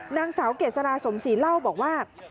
นางสาวเกษราสมศรีเล่าบอกว่า